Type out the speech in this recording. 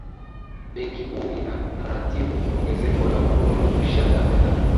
benki kuu inaratibu ongezeko la huduma jumuishi za fedha